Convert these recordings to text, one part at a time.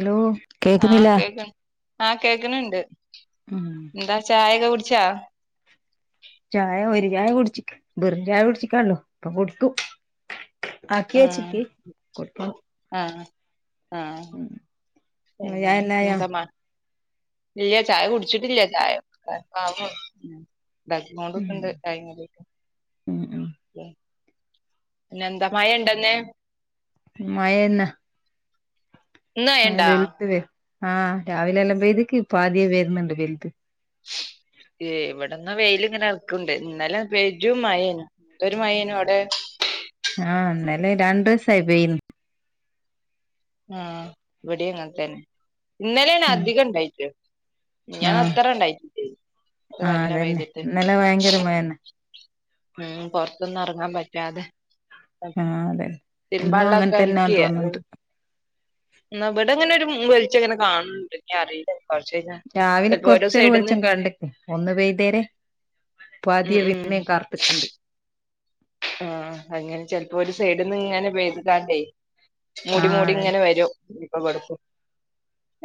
Hello ആഹ് കേക്കുന്നില്ല കേക് ആഹ് കേക്ണ് ണ്ട് ഉം ന്താ ചായെക്കെ കുട്ച്ചോ ചായ ഒരു ചായ കുടിച്ക്ക് ബെറും ചായ കുടിച്ചിക്കൊള്ളൂ പ്പൊ കുടിക്കും ആകി ആഹ് യെച്ചിക്കി കുടിക്കണം ആഹ് ആഹ് ഇങ്ങളെ പിന്നെ ചായല്ലായോ എന്ത മ ഇല്യ ചായ കുട്ച്ചിട്ടില്ല ചായ ഏ അവ്ണോള്ളു ഉം ണ്ടാക്കികോണ്ട്ക്ക്ണ്ട് ചായിം കടിം ഒക്കെ ഉം ഉം ഏഹ് പിന്നെ ന്ത മഴണ്ടൊന്ന് മഴന്ന ഇന്ന് മഴ മഴണ്ടാ പേഴ്ത്ക്ക് ആഹ് രാവിലെല്ലം പെയ്തിക്ക് പ്പാ ആദ്യ വെര്ന്ന്ണ്ട് വെല്ത്ത് ഇവിടെന്ന വെയ്ൽ ങ്ങനെ ആർക്ണ്ട് ന്നലെ പെരും മയേനു എന്തൊരു മായേനി വടെ ആഹ് ന്നലേ രണ്ടോസായി പെയ്യ്ണു ആഹ് വടി അങ്ങന് തന്നെ ന്നലെണ് ഉം അധികം ണ്ടായിറ്റ് മിഞാന്ന് ആഹ് അത്രണ്ടായിട്ടില്ലേയ്നു ഇത് ആഹ് നല്ല അതന്നെ പെയ്തിട്ട് ഇന്നലെ ഭയങ്കര മഴന്നെ ഉം പൊർത്തൊന്നും എർങ്ങാൻ പറ്റാതെ ആഹ് അതന്നെ ഇന്നും അങ്ങനെ തിര്മ്പാള്ളൊക്കെ അൽ തന്നാന്ന് കിയോ ത് തോന്നുന്നുണ്ട് ന്ന വിടങ്ങനൊര് ഉം വെൾച്ച ങ്ങനെ കാണ്ണ്ണ്ട് ഞ്ഞി അറീലത് രാവിലെ കൊർച്ചൊരു വെൾച്ചം കണ്ട് ഒന്ന് പെയ്തേരെ ഉം പാതിയെ ഉം പിന്നേ കാർത്ട്ട്ണ്ട് ആഹ് അങ്ങനെ ചെൽപോ ഒരു സൈട്ന്ന ങ്ങനെ പെയ്താട്ടെ മൂടി ആഹ് മൂടി അതന്നെ ങ്ങനെ വരും പ്പ വെട്ക്കും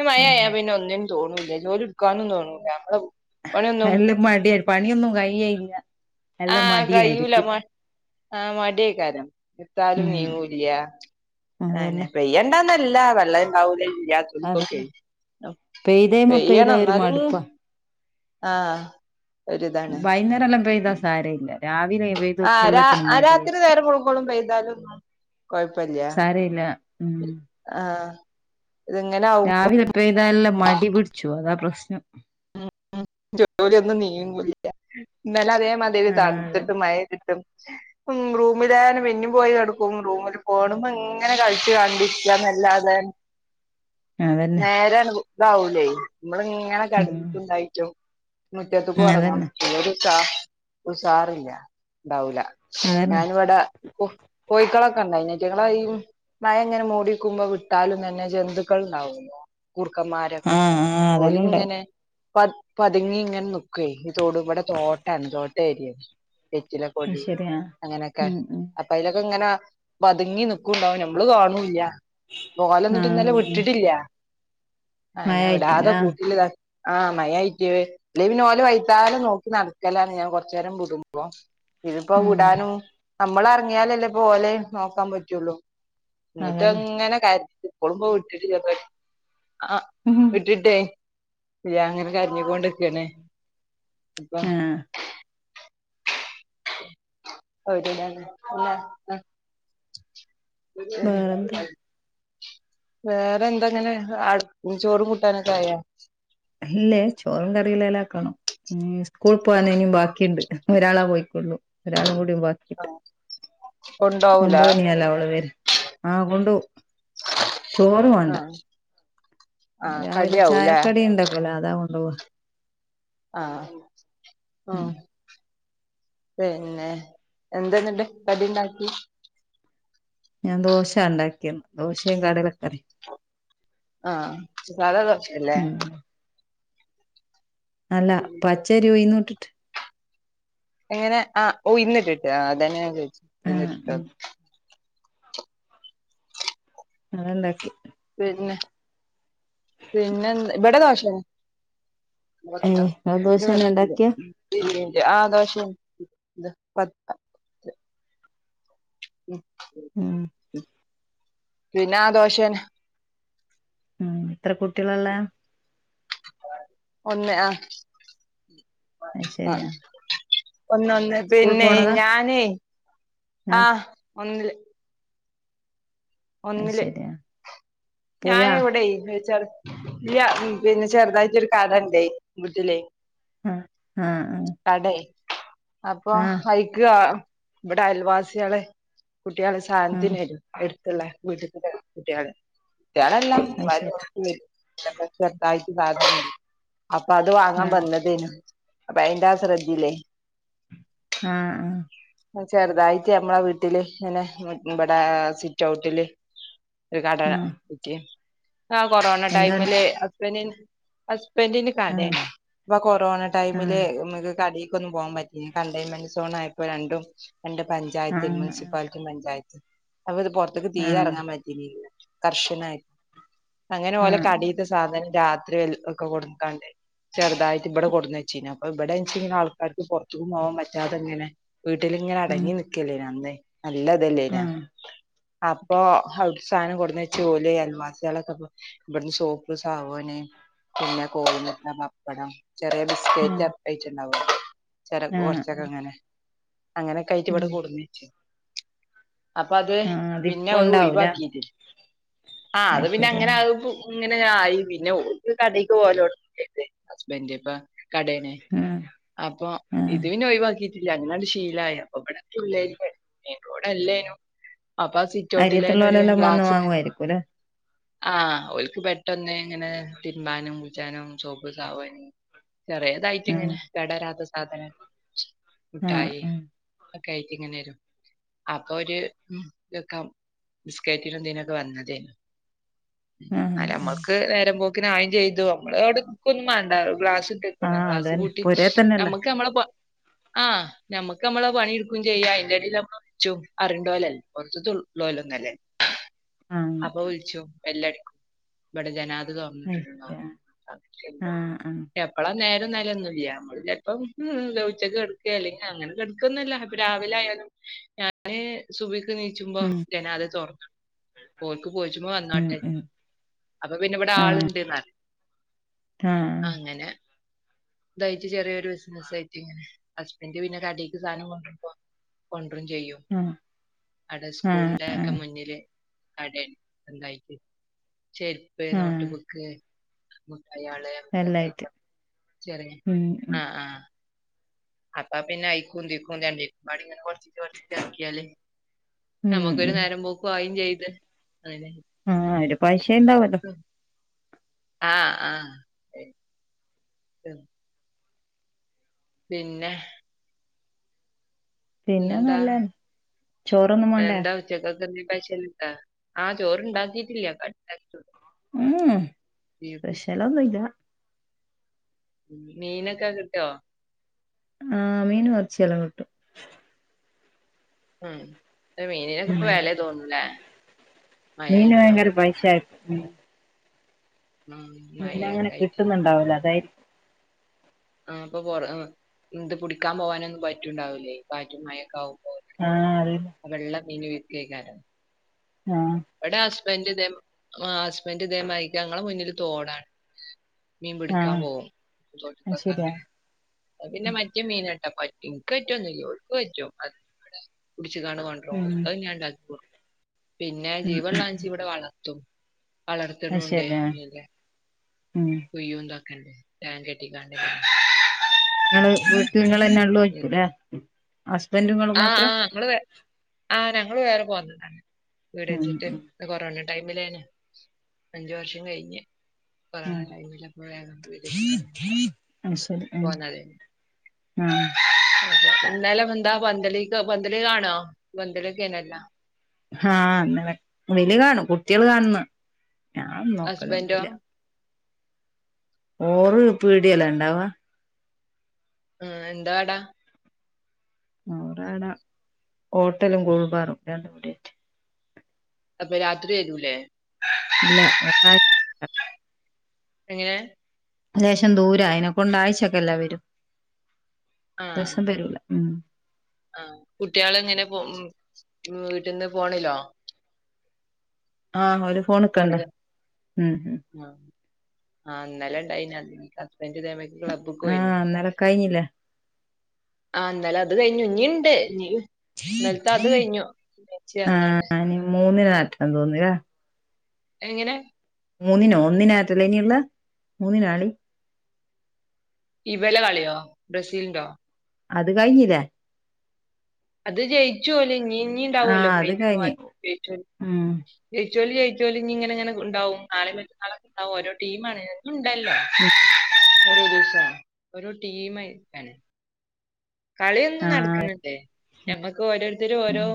മഴായ ഉം പിന്നെ ഒന്ന്നും തോന്നൂല്ല ജോലിട്ക്കാനും തോന്നൂല മ്മളെ എല്ല മട്യ പണ്യോന്നും കയ്യേയില്ല ആഹ് കയ്യൂല മ ആഹ് മട്യേകാരം എട്ത്താലും ഉം നീങ്ങൂല്യ അന്നെ അതന്നെ പെയ്യണ്ടാന്നല്ല വെള്ളണ്ടാവൂല ഇല്ലാ അന്നേ പെയ്തേ മെ പെയ്താ പെയ്യണം ഒരു എന്നാലും മടുപ്പാ ആഹ് ഒരിതാണ് ബൈന്നേരം ല്ലം പെയ്താ സാരയില്ല രാവിലെ പെയ്തു ക്യാ ആഹ് രാ എല്ലത്തിനും ആ രാത്രി മടിയായിരിക്കും നേരം വെളുക്കോളം പെയ്താലൊന്നും കൊഴപ്പല്ല സാര ഇല്ല ഉം ആഹ് ഇത്ങ്ങനെ ആവു രാവിലെ പെയ്താല്ലം മടി പിട്ച്ചു അതാ പ്രശ്നം മ് ജോലിയൊന്നും ന്നീങ്ങൂല്യ ഇന്നല അതേ മാതിരി ആഹ് തണ്ത്തിട്ട് മഴ പെയ്ത്ട്ട് മ് റൂമിലാനും പിന്നിം പോയട്ക്കും റൂമില് ഫോണ്മ്മെങ്ങ ങ്ങനെ കൾച് കണ്ടിര്ക്ക ന്നല്ലാതെ അതന്നെ അതന്നെ നേരാണ്ട് ഇതാവൂലേ നമ്മള ഇങ്ങനെ ഉം കടന്നിട്ടുണ്ടായിട്ടോ മുറ്റത്തക്ക് ഒറങ്ങും അതന്നെ ഒരു സാ ഒരു സാറില്ല ഉണ്ടാവൂല അതന്നെ ഞാന ഇവിടെ കോഴിക്കളൊക്കെ ഇണ്ടായിനി അയ്റ്റങ്ങള് മഴ ഇങ്ങനെ മൂടിക്കുമ്പോ വിട്ടാലും തന്നെ ജന്തുക്കൾ ഉണ്ടാവു ലെ കുർക്കന്മാരൊക്കെ ആഹ് ആഹ് ഓല് അതെല്ലാം ഉണ്ടാവും ഇങ്ങനെ പ പതുങ്ങി ഇങ്ങനെ നിക്കും ഓക്കേ ഈ തൊട ഇവിടെ തോട്ടാണ് തോട്ട ഏരിയ വെറ്റില അത് കൊടി ശരിയാ അങ്ങനെയൊക്കെ ഉം ഉം അപ്പ അയ്ലൊക്കെ ഇങ്ങനെ പതുങ്ങി നിക്കുണ്ടാവും നമ്മള് കാണൂല്ല ഓലൊന്നിട്ട് ഇന്നലെ ആഹ് വിട്ടിട്ടില്ല മഴ അന ആയിട്ടില്ല ഇടാതെ കൂട്ട്ല് താക്കാ ആഹ് മയായിറ്റേ അല്ല ഓലെ വൈത്താലെ നോക്കി നടക്കലാണ് ഞാൻ കുറച്ചു നേരം ബ്ടും അപ്പ ഇതിപ്പോ ഉം വിടാനും നമ്മൾറങ്ങിയാലല്ലേ പോലെ നോക്കാൻ പറ്റുള്ളു എന്നിട്ട് അതന്നെ എങ്ങനെ കാര് ഇപ്പോളും പോ വിട്ടി് ചെറ ആ ഉം ഇട്ടിട്ടേ ഇല്ല അങ്ങനെ കരഞ്ഞി ക്കാണ്ട്ക്കണേ അപ്പ ആഹ് അത ഇല്ല ആ ഉ വേറെന്ത് [inaudible] വേറെ എന്താങ്ങനെ ചോറും കൂട്ടാനൊക്കെ ആയാേ അല്ലേ ചോറും കറിയല്ല എല്ലാം ആക്കണം സ്കൂൾ പോകാന ഇനും ബാക്കിയുണ്ട് ഒരാളാ പോയിക്കൊള്ളു ഒരാളും കൂടി ബാക്കിയിട്ട് കൊണ്ടോവൂല ഒമ്പ്മണിയല്ല അവള് വേര് ആ കൊണ്ട്പോകും ചോറ് മാണ്ട ആഹ് ആഹ് രാവിലെ കടിയാവൂലേ ചായക്കടി ഉണ്ടക്കലോ അതാ കൊണ്ടു പോവാ ആഹ് ഉം ആഹ് പിന്നെ എന്തെന്നിണ്ട് കടി ഉണ്ടാക്കി ഞാൻ ദോശ ഉണ്ടാക്കിരുന്നു ദോശയും കടലക്കെറി ആഹ് സദാ ദോശല്ലേ ഉം അല്ല പച്ചരി ഉഴിന്നുട്ടിട്ട് എങ്ങനെ ആഹ് ഉഴുന്നിട്ടിട്ട് ആഹ് അത ഞാ ചോയ്ഛെ ആഹ് ഉഴുന്നിട്ടിട്ടോ ഉം [unintelligible] ണ്ടാക്കി പിന്നെ പിന്നെ ഇവിടെ ദോഷേണ് ഏയ് ങ്ങൾ ദോശന്നെ പത്തിൻ്റെ ണ്ടാക്ക്യേ ആഹ് ദോഷേഞ് [unintelligible] [inaudible] ഉം പിന്ന ആ ദോശന്നെ ഉം ത്ര കുട്ട്യളാള്ളെ ഒന്ന് ആഹ് അത് ശരിയാ ആഹ് ഒന്ന ഒന്ന് സ്കൂൾ പിന്നെ പോണതാ ഞാനേ ആഹ് ഒന്നില് അത് ഒന്നില് ശരിയാ പോയാ ഞാനവിടെ [unintelligible] ഇല്ല പിന്നെ ചെറുതായിട്ടൊരു കടണ്ടേ വീട്ടില് ആഹ് ആഹ് ആഹ് കടെ അപ്പൊ ആഹ് അയ് ക്ക്ആ ഇവിടെ അയൽവാസ്യളെ കുട്ട്യാള് ഉം സാനത്തിനു വരും എട് ത്ത്ള്ള വീട്ട്ത്ത്ത്തെ കുട്ട്യാള് കുട്ട്യേളല്ലാം അത് ശരി [unintelligible] [unintelligible] ചെറുതായിട്ട് [unintelligible] അപ്പൊ അത് വാങ്ങാൻ ആഹ് വന്നതേനു അപ്പൊ അയ്ന്റാ സ്രദ്ധേലെ ആഹ് ആഹ് ചെറുതായിട്ട് നമ്മളെ വീട്ടില് ഇനെ ഇവിടെ സിറ്റ് ഔട്ടില് ഒരു കട ആഹ് ഇട്ടി ആഹ് കൊറോണ എന്താ ടൈമില് ഹസ്ബെന്റി ഹസ്ബെന്റ്റിനു കടേ ആഹ് ഇപ്പൊ കൊറോണ ടൈമില് ആഹ് മക്ക് കടേക്കൊന്നും പോവാൻ പറ്റി കണ്ടെയൻമെന്റ് സോൺ ആയപ്പോ രണ്ടും എന്റെ പഞ്ചായത്തിൽ ആഹ് മുനിസിപ്പാൽറ്റി പഞ്ചായത്ത് അപ്പൊ ഇത് പുറത്ക്ക് തീരെ ആഹ് ഇറങ്ങാൻ പ കർഷനായി അങ്ങനെ ഓലെ ആഹ് കടേതെ സാധനം രാത്രി വൽക്കൊക്കെ കൊടുക്കാണ്ട് ചെറുതായിട്ട് ഇബടെ കൊടുന്നെച്ചീഞ് അപ്പൊ ഇബടെ ന്ച്ങ്ങനെ ആൾക്കാര്ക്ക് പൊർത്ത്ക് പോവാൻ പറ്റാതെങ്ങനെ വീട്ടിലിങ്ങനെ ഉം അടങ്ങി നിക്കല്ലേഞ് അന്ന് നല്ലതല്ലേനോ ആഹ് അപ്പൊ അവര് സാനം കൊടുന്നച്ച് ഓല് അയൽവാസികളൊക്കെപ്പൊ ഇബടുന്ന് സോപ്പ്‌ സാവൂന് പിന്ന കോഴിമുട്ട പപ്പടം ചെറ്യേ ബിസ് ഉം [unintelligible] ആഹ് കൊർച്ചൊക്കെ അങ്ങനെ അങ്ങനെ ക്കായിറ്റ് ഉം വിടെ കൂടുന്നച്ചി അപ്പൊ അത് ആഹ് അതിപ്പോ പിന്നഹ് ഉണ്ടാവൂല ഒഴിവാക്കില്യ ആഹ് അത് പിന്നെ അങ്ങനെ പു ഇങ്ങനെങ്ങ ആയി പിന്നെ ഓക് കടേക്ക് പോവൊലൊട്ങി ഹസ്ബൻഡ് ഇപ്പൊ കടേനെ ഉം അപ്പൊ ആഹ് ഇത് പിന്നെ ഒഴിവാക്കിട്ടില്ല അങ്ങനെണ്ട് ശീലായ അപ്പൊ ഇവടെ [unintelligible] ഇവിടല്ലേനു അപ്പൊ സിറ്റൗട്ടിലേന്നെ ഒരു അരിയത്തുള്ളോലെല്ലാം വന്ന് ഗ്ലാസ് വാങ്ങുവായിരിക്കുംല്ലേ ആഹ് ഓൽക്ക് പെട്ടെന്ന് ഇങ്ങനെ തിര്മ്പാനും കുൾച്ചാനും സോപ്പ് സാവൂന് ചെറ്യേതായിട്ട് ഉം ഇങ്ങനെ കടരാത്ത സാധന ആഹ് മുഠായി ഉം ഒക്കായിട്ട്ഇങ്ങനെരും അപ്പൊ ഒരു [unintelligible] ബിസ്കേറ്റിനും ഇതിനൊക്കെ വന്നതേഞ് ആഹ് അഹ് ആഹ് നമ്മക്ക് നേരം പോക്കിന് ആയിം ചെയ്തു അമ്മള് അവിടെക്കൊന്നും വേണ്ട ഗ്ലാസ്ട്ട [unintelligible] ആഹ് ക്ലാസ്സ് അതന്നെ കൂട്ടി പൊരേ തന്നെല്ലേ നമ്മക്ക് നമ്മളെ പ ആഹ് നമുക്ക് നമ്മള പണിെടുക്കും ചെയ്യാ അയ്ന്റെടെൽ നമ്മളെ വ്ൾച്ചും അറിണ്ടോലല്ലേ പുറത്തള്ളല്ല ഒന്നല്ലേ ആഹ് അപ്പൊ വിളിച്ചു എല്ലടക്കും ഇവിടെ ജനാത അത് തുറന്നിട്ടിട്ടുണ്ടോ ശരിയാ ആഹ് ആഹ് എപ്പോ അപ്പളാ നേരം നിലൊന്നും ഇല്ല നമ്മള് ചെപ്പം ഉച്ചക്ക്കിടക്കുക അല്ലെങ്കിൽ അങ്ങനെ ന്ന ഇപ്പൊ രാവിലെ ആയാലും ഞാന് സുബയ്ക്ക് നീ ചുമ്പോ ഉം ജനാൽ തുറന്നു ഓലക്ക് പോയിച്ചുമ്പോ ഉം വന്നോട്ടെ ഉം അപ്പൊ പിന്നെ ഇവിടെ ആഹ് ആൾണ്ട്ന്ന് ആഹ് അങ്ങനെ ഇതായിട്ട് ചെറിയരു ബിസിന ആയിട്ട് ഇങ്ങനെ ഹസ്ബൻഡ് പിന്നെ കടക്ക് സാധനം കൊണ്ടരുമ്പോ കൊണ്ടരും ചെയ്യും ആഹ് അടെ ആഹ് സ്കൂളിന്റെ ഒക്കെ ആഹ് മുന്നില് കട കഴ ശരി ചെരുപ്പ് ആഹ് നോട്ട്ബുക്ക് മുട്ടായിള് എല്ലായിട്ട് ശരി ഉം ഉം ആഹ് ആഹ് അപ്പ പിന്നെ യിക്കു ദിക്കും രണ്ടീക്കും പാടെ കുറ ച്ചറക്കിയാലേ ഉം നമ്മുക്കൊരു ഉം നേരം പോക്ക് ആയും ചെയ്ത് അങ്ങനെ ആഹ് ഒരു പൈസ ഉണ്ടാവല്ലോ ആഹ് ആഹ് പിന്നെ പിന്നെ പിന്നെന്താ നല്ല ചോറൊന്നും വേണ്ടേ ഉച്ചക്ക് എന്തെങ്കിലും സ്പെഷ്യൽ ഉണ്ടോ ആഹ് ചോറ്ണ്ടാക്കിട്ടില്ല ക ഉം സ്പെഷ്യൽ ഒന്നും ഇല്ല മീനൊക്കെ കിട്ടോ ആഹ് മീന ഇറച്ചിയെല്ലാം കിട്ടും ഉം മീനിനൊക്ക ഇപ്പ ഉം വില തോന്നൂലേ മഴ മീൻ ആയിട്ടോ ഭയങ്കര പൈസ ഉം അന് അങ്ങനെ മഴയൊക്കെ ആയിട്ട് കിട്ടുന്നുണ്ടാവൂലോ അതായത് ആഹ് അപ്പൊ ഇന്ത് പിടിക്കാൻ പോകാനൊന്നും പറ്റുംണ്ടാവൂലേ കാറ്റു മഴൊക്ക ആവുമ്പോ ആഹ് അതെ വെള്ള മീൻ വിക്കയ്ക്കാരം ആഹ് ഇവിടെ ഹസ്ബൻഡ് ഇതേ ഹസ്ബൻഡറ് ഇതേ മായിക്കങ്ങളെ മുന്നിൽ തോടാണ് മീൻ പിടുക്കാൻ ആഹ് പോവും തോട്ട്ക്ക് അത് ഒക്കെ ശരിയാ അങ്ങനെ. പിന്നെ മറ്റേ മീനണ്ടാ പറ്റും ഇക്ക് പറ്റുമോന്നില്ല ഓൾക്ക് പറ്റും അത് കുടിച്ച് കാണുവാൻ ഉം ഓട്ടം ഇല്ലാണ്ടാക്കി കൊടുക്കും. പിന്നെ ഉം ജീവനുള്ള ഉം വാങ്ങിച്ചു വളർത്തും അത് വളർത്തുണ ശരിയാ ഉം കൊയ്യുംതാക്കണ്ടേ ടാൻ കെട്ടിക്കാണ്ട് നിങ്ങള് വീട്ടിൽ നിങ്ങള് തന്നെ ഉള്ളുആയിരിക്കും അല്ലെ ഹസ്ബൻഡും നിങ്ങളും ആഹ് ആഹ് ഞങ്ങള് ആഹ് ഞങ്ങള് വേറെ പോന്നതാണ് വീട് ഉം വച്ചിട്ട്. ഉം കൊറോണ ടൈമിലാണ് അഞ്ച് വർഷം കഴിഞ്ഞ്. കൊറോണ ഉം ടൈമിൽ അപ്പോഴാണ് വീട് വച്ച്കൊണ്ട് അത് ശരി ഉം പോന്നത്. ആഹ് എന്നാലും എന്താ പന്തലിക്ക് പന്തല് കാണോ പന്തലികക്കാനെല്ലാം. ആഹ് അന്നല് കാണും കുട്ടികള് കാണുനന്നു ഞാൻ ഹസ്ബൻഡോ? നോക്കലൊന്നൊന്നുമില്ല ഓൾ പിടിയലാ ഉണ്ടാവ ആഹ് എന്താടാ? ഒരാടാ ഹോട്ടലും കൂൾബാറും രണ്ടും കുടി- അപ്പ രാത്രി വെരൂലേ? ഇല്ല ഒപായ്- എങ്ങനെ ജേഷം ദൂര അയ്നകൊണ്ടായ് ഷകെല്ലാവരും. ആഹ് ഉം ആഹ് കുട്ട്യേളെങ്ങനെ പോവും ഉം വീട്ട്ന്ന് ഫോണിലോ? ആഹ് ഓര് ഫോണ്ക്കണ്ടെ പോണിലോ? ഉം ഉം ആഹ് ഇന്നലെ ഇണ്ടായി ഞാൻ ഹസ്ബൻഡ് ഇതേ മാതിരി ആഹ് ഇന്നലൊക്കഴിഞ്ഞില്ലെ ആഹ് ഇന്നലെ അത് കഴിഞ്ഞു ഇഞ്ണ്ട് ഇഞ്ഞീ- പറഞ്ഞ്ങ്ങാണ്ട്. ആഹ് ഇനി മൂന്നിന് മാറ്റാൻ തോന്നിയ എങ്ങെനെ? മൂന്നിനോ ഒന്നിനാറ്റല്ല ഇനിള്ള മൂന്നിനാളി ഇവല കളിയോ ബ്രസീൽന്റോ. അത് കയ്ഞ്ഞിലെ അത് ജെയ്ച്ചു ഓല് ഇഞ്ഞി ഇഞ്ഞിണ്ടാവോലൊ ആഹ് അത് കഴിഞ്ഞ് ഫൈനൽ [unintelligible] ഉം ജെയ്ച്ചോല് ജെയ്ച്ചോല് ഇഞ്ഞി ഇങ്ങനെ ഇങ്ങനെ ഇണ്ടാവും, നാളെ മറ്റന്നാളൊക്കെണ്ടാവും ഓരോട്ടീമാണ്. ഉണ്ടല്ലോ ഉം ഓരോ ദിവസം ഓരോ ട്ടീമായിട്ടാണ്. കളിയെന്നും ആഹ് ന്നടക്ക്‌ണ് ണ്ട് ഞമ്മക്ക് ഓരോരുത്തര് ഓരോ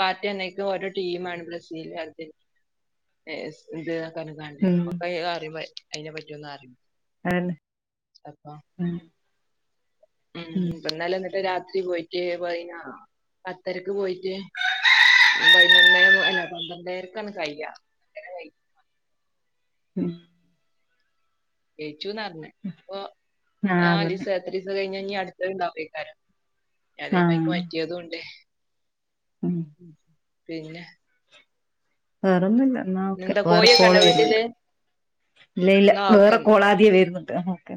പാർട്ടിതന്നേ- ത് ഓരോ ട്ടീമാണ് ബ്രസീൽ അർജന്റീ- ഏ ഇസ് ഇത് ന്നൊക്കാനും കാണ്ടേ ഉം ഇപ്പൊക്കയ് അറിവായി അയ്ന പറ്റിയൊന്നും അറിയില്ല. അല അപ്പൊ ഉം ഉം പ്ന്നലെ ഇന്ന്ട്ട് രാത്രി പോയ്റ്റ് പൈഞ്ഞാ പത്തരക്ക് പോയ്റ്റ് പയ്നൊന്നേ അല്ല പന്ത്രണ്ടേരയ്ക്കാണ് കയ്യാ ഉം ജെയ്ച്ചു ന്നർഞ് അപ്പോ ആഹ് ന്നാലിസ അതന്നെ എത്രീസാ കഴിഞ്ഞ ഇഞ്ഞി അട്ത്തത് ഇണ്ടാവെയ്ക്കാരം. അതേ ആഹ് മായ്ക്ക് മറ്റേദൂണ്ട്. ഉം പിനെ വേറൊന്നും ഇല്ല എന്നാ ഓക്കെ എന്താ വേറെ കോഴിയൊക്കെ കോള് ഉണ്ടോ വീട്ടില് വെരുന്നുണ്ട്. ഇല്ല യില്ല എന്നാ വേറെ ഓക്കെന്നാ കോളാത്യേ വെരുന്നുണ്ട് ന്നാ ഓക്കെ